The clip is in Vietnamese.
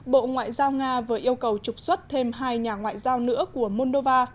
bộ ngoại giao nga vừa yêu cầu trục xuất thêm hai nhà ngoại giao nữa của moldova